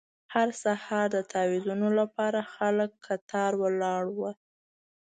هر سهار د تاویزونو لپاره خلک کتار ولاړ وو.